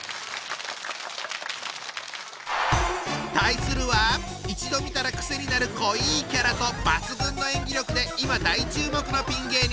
対するは一度見たら癖になる濃いキャラと抜群の演技力で今大注目のピン芸人！